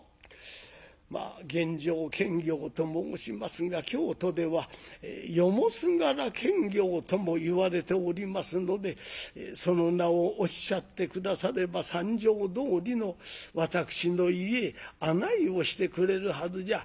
「まあ玄城検校と申しますが京都では『夜もすがら検校』ともいわれておりますのでその名をおっしゃって下されば三条通の私の家へ案内をしてくれるはずじゃ」。